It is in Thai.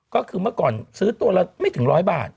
ก็คือเมื่อก่อนซื้อตัวละไม่ถึง๑๐๐บาท